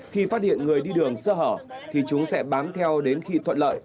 khi phát hiện người đi đường sơ hở thì chúng sẽ bám theo đến khi thuận lợi